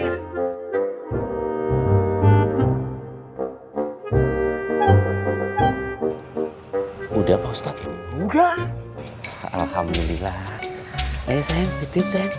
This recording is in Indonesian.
hai udah post op udah alhamdulillah saya ditimpa satu ratus dua puluh tiga